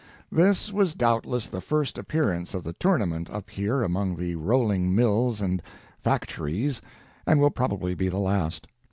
This was doubtless the first appearance of the "tournament" up here among the rolling mills and factories, and will probably be the last.